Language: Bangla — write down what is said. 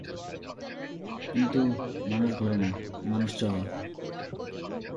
কিন্তু, মানুষ ঘোরে না, মানুষ চলে।